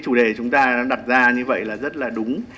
chủ đề chúng ta đặt ra như vậy là rất là đúng